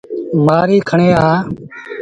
مهآريٚ کڻي آ۔